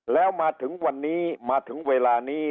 แล้วมาถึงวันนี้มาถึงเวลานี้